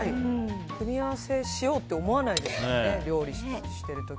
組み合わせしようって思わないですよね